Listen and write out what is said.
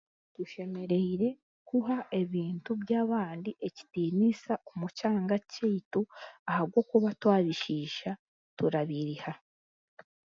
Tushemeriere kuha ebintu by'abandi ekitiniisa omu kyanga kyeitu ahabw'okuba twabishiisha tura biriha.